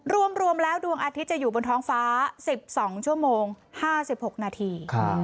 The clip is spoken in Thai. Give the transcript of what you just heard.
รวมแล้วดวงอาทิตย์จะอยู่บนท้องฟ้า๑๒ชั่วโมง๕๖นาที